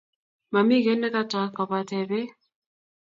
Mamie kiy ne katog kobatee peek